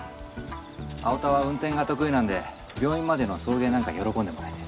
青田は運転が得意なんで病院までの送迎なんか喜んでもらえて。